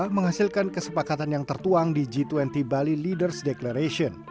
menghasilkan kesepakatan yang tertuang di g dua puluh bali leaders declaration